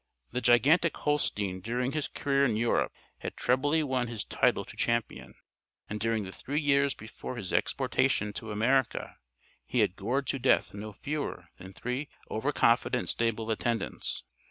The gigantic Holstein during his career in Europe had trebly won his title to champion. And during the three years before his exportation to America he had gored to death no fewer than three over confident stable attendants.